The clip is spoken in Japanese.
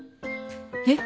えっ？